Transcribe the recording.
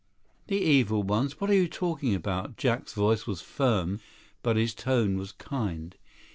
50 "The evil ones? What are you talking about?" Jack's voice was firm, but his tone was kind.